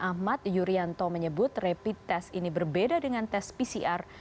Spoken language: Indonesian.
ahmad yuryanto menyebut rapid test ini berbeda dengan tes pcr